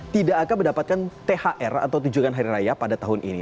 tidak akan mendapatkan thr atau tujuan hari raya pada tahun ini